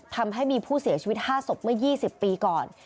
ทำให้มีผู้เสียชีวิต๕ศพเมื่อ๒๐ปีก่อน